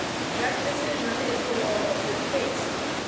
That decision is the law of this case.